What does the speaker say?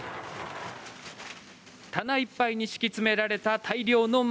棚いっぱいに敷き詰められた大量の繭。